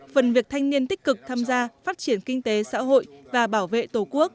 phần việc thanh niên tích cực tham gia phát triển kinh tế xã hội và bảo vệ tổ quốc